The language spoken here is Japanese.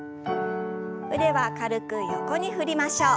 腕は軽く横に振りましょう。